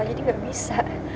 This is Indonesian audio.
jadi gak bisa